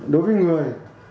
đối với người